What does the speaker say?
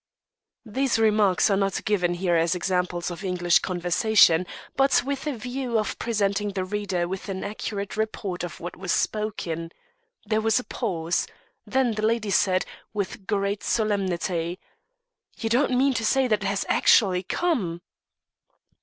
These remarks are not given here as examples of English conversation, but with a view of presenting the reader with an accurate report of what was spoken. There was a pause. Then the lady said, with great solemnity: "You don't mean to say that it has actually come?"